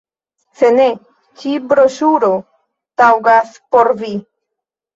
Se ne, ĉi broŝuro taŭgas por vi.